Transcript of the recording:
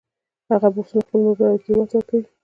هغه بورسونه خپلو ملګرو او کلیوالو ته ورکوي